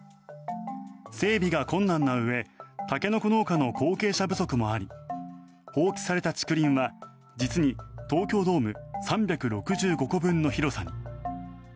整備が困難なうえタケノコ農家の後継者不足もあり放置された竹林は実に東京ドーム３６５個分の広さに。